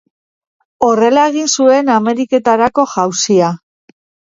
Horrela egin zuen Ameriketarako jauzia.